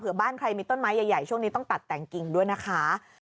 เพื่อบ้านใครมีต้นไม้ใหญ่ช่วงนี้ต้องตัดแต่งกิ่งด้วยนะคะ